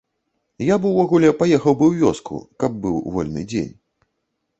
Я б увогуле паехаў бы ў вёску, каб быў вольны дзень.